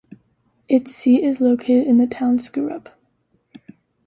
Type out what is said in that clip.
Its seat is located in the town Skurup.